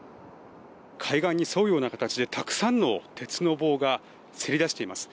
海岸に沿うような形でたくさんの鉄の棒がせり出しています。